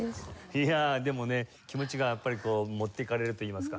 いやあでもね気持ちがやっぱり持っていかれるといいますか。